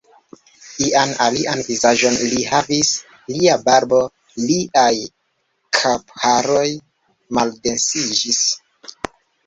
Ian alian vizaĝon li havis, lia barbo, liaj kapharoj maldensiĝis.